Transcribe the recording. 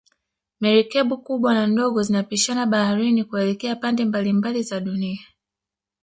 Merikebu kubwa na ndogo zinapishana baharini kuelekea pande mabalimabali za dunia